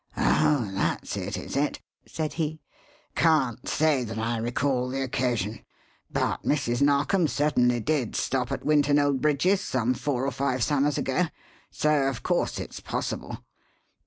"Oh, that's it, is it?" said he. "Can't say that I recall the occasion; but Mrs. Narkom certainly did stop at Winton Old Bridges some four or five summers ago, so of course it's possible.